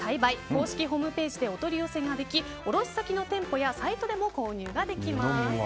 公式ホームページでお取り寄せができ卸先の店舗やサイトでも購入できます。